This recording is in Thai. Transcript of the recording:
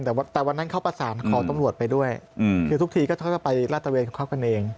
แต่วันแต่วันนั้นเขาประสานขอตำรวจไปด้วยอืมคือทุกทีก็จะไปราชเวียนเข้ากันเอง